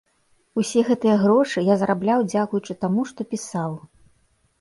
Усе гэтыя грошы я зарабляў дзякуючы таму, што пісаў.